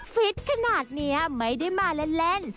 ฟิตขนาดนี้ไม่ได้มาเล่น